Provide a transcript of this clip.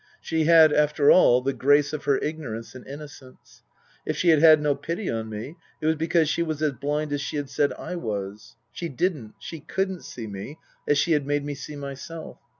She had, after all, the grace of her ignorance and inno cence. If she had had no pity on me, it was because she was as blind as she had said I was. She didn't, she couldn't see me as she had made me see myself.